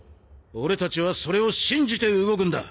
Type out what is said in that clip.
俺たちはそれを信じて動くんだ。